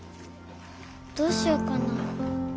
どうしようかな。